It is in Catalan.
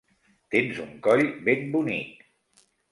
Tens un coll ben bonic.